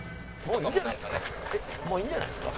もういいんじゃないですか？